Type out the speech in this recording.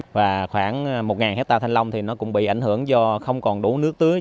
và khoảng một hectare thanh long thì nó cũng bị ảnh hưởng do không còn đủ nước tưới